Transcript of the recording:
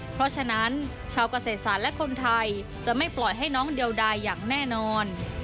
เพราะฉะนั้นชาวเกษตรศาสตร์และคนไทยจะไม่ปล่อยให้น้องเดียวดายอย่างแน่นอน